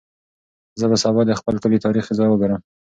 زه به سبا د خپل کلي تاریخي ځای وګورم.